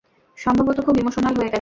সম্ভবত খুব ইমোশনাল হয়ে গেছে।